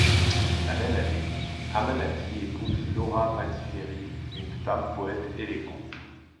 La même année, Ammannati épouse Laura Battiferri, une femme poète élégante.